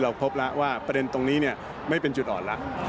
พบแล้วว่าประเด็นตรงนี้ไม่เป็นจุดอ่อนแล้ว